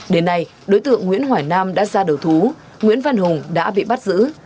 đến nay đối tượng nguyễn hỏi nam đã ra đầu thú nguyễn văn hùng đã bị bắt giữ